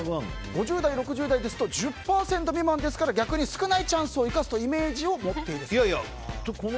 ５０代、６０代ですと１０％未満ですから逆に少ないチャンスを生かすというイメージを持っていると。